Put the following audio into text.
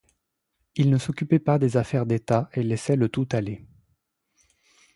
Il ne s'occupait pas des affaires d'état et laissait le tout aller.